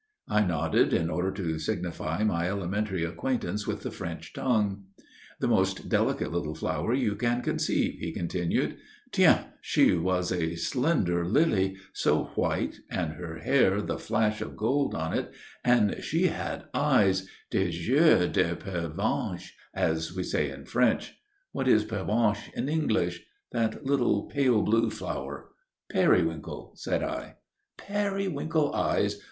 I nodded in order to signify my elementary acquaintance with the French tongue. "The most delicate little flower you can conceive," he continued. "Tiens, she was a slender lily so white, and her hair the flash of gold on it and she had eyes des yeux de pervenche, as we say in French. What is pervenche in English that little pale blue flower?" "Periwinkle," said I. "Periwinkle eyes!